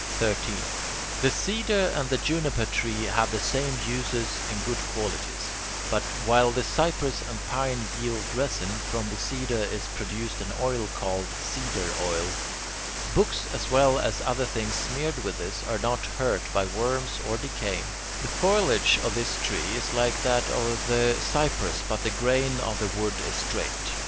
The cedar and the juniper tree have the same uses and good qualities, but, while the cypress and pine yield resin, from the cedar is produced an oil called cedar oil. Books as well as other things smeared with this are not hurt by worms or decay. The foliage of this tree is like that of the cypress but the grain of the wood is straight.